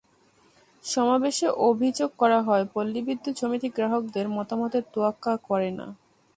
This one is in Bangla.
সমাবেশে অভিযোগ করা হয়, পল্লী বিদ্যুৎ সমিতি গ্রাহকদের মতামতের তোয়াক্কা করে না।